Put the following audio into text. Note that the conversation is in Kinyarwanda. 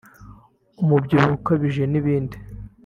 umubyibuho ukabije n’ibindi